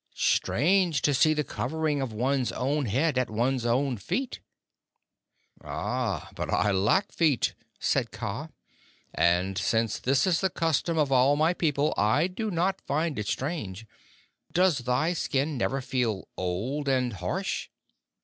"Strange to see the covering of one's own head at one's own feet!" "Aye, but I lack feet," said Kaa; "and since this is the custom of all my people, I do not find it strange. Does thy skin never feel old and harsh?"